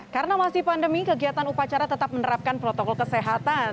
karena masih pandemi kegiatan upacara tetap menerapkan protokol kesehatan